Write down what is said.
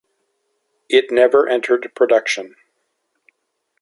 It never entered production.